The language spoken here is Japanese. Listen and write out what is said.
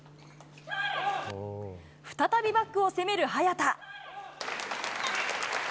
再びバックを攻める早田。